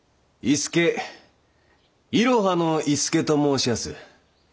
いろはの伊助と申しやす。